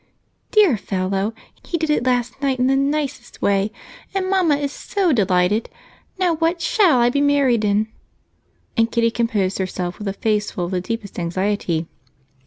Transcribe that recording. "Dear fellow, he did it last night in the nicest way, and Mama is so delighted. Now what shall I be married in?" And Kitty composed herself with a face full of the deepest anxiety.